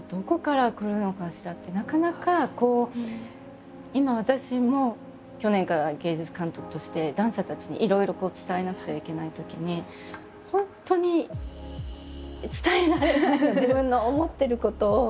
なかなかこう今私も去年から芸術監督としてダンサーたちにいろいろ伝えなくてはいけないときに本当に伝えられないの自分の思ってることを。